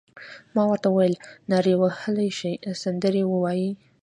ما ورته وویل: نارې وهلای شې، سندرې وایې؟